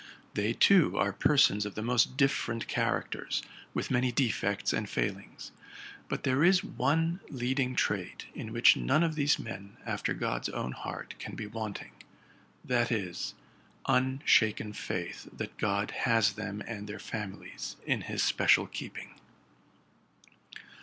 They, too, are persons of the most different characters, with many defects and failings. sut there is one leading trait, in which none of these men after God's own heart can be wanting: that is, unshaken faith that God has them and their families in his special keeping.